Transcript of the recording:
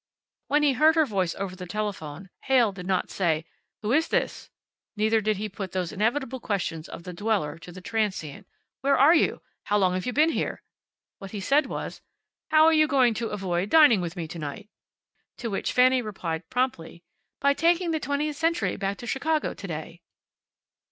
When he heard her voice over the telephone Heyl did not say, "Who is this?" Neither did he put those inevitable questions of the dweller to the transient, "Where are you? How long have you been here?" What he said was, "How're you going to avoid dining with me to night?" To which Fanny replied, promptly, "By taking the Twentieth Century back to Chicago to day."